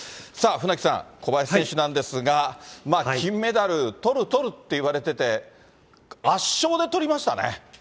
さあ、船木さん、小林選手なんですが、金メダル、とるとるって言われてて、圧勝でとりましたね。